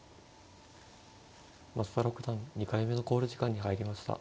増田六段２回目の考慮時間に入りました。